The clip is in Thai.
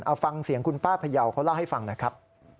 เอาฟังเสียงคุณป้าพยาวเขาเล่าให้ฟังหน่อยครับ